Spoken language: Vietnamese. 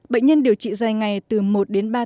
bệnh nhân điều trị dài ngày từ một đến ba tuổi